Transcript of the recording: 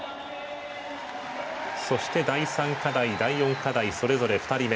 第３課題、第４課題それぞれ２人目。